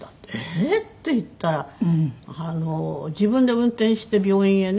「ええー？」って言ったら自分で運転して病院へね